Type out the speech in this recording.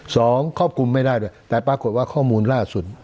ครอบคลุมไม่ได้ด้วยแต่ปรากฏว่าข้อมูลล่าสุด